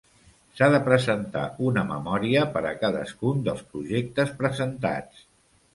S'ha de presentar una memòria per a cadascun dels projectes presentats.